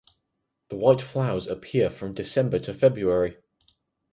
The white flowers appear from December to February.